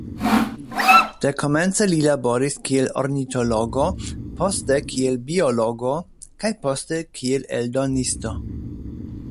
Dekomence li laboris kiel ornitologo, poste kiel biologo, kaj poste kiel eldonisto.